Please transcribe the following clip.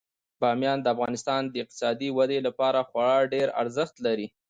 بامیان د افغانستان د اقتصادي ودې لپاره خورا ډیر ارزښت لري.